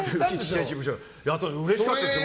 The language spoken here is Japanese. うれしかったですよ